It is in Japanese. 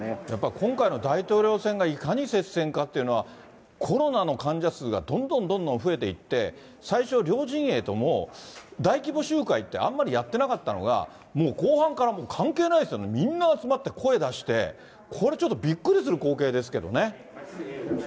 やっぱり今回の大統領選がいかに接戦かっていうのは、コロナの患者数がどんどんどんどん増えていって、最初、両陣営とも、大規模集会ってあんまりやってなかったのが、もう後半から関係ないですよね、みんな集まって声出して、これちょっとびっくりする光景ですけどね。